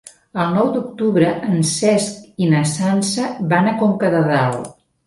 El nou d'octubre en Cesc i na Sança van a Conca de Dalt.